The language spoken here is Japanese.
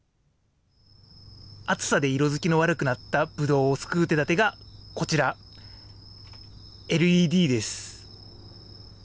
暑さで色づきの悪くなったブドウを救う手だてがこちら、ＬＥＤです。